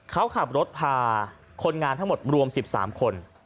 เขาขับรถพาคนงานทั้งหมดรวม๑๓คน